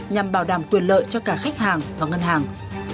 nhằm bảo đảm quyền lợi cho cả khách hàng và ngân hàng